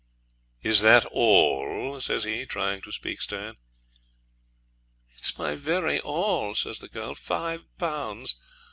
'Is that all?' says he, trying to speak stern. 'It's my very all,' says the girl, 'five pounds.